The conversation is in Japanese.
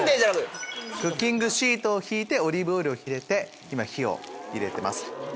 クッキングシートを敷いてオリーブオイルを入れて今火を入れてます。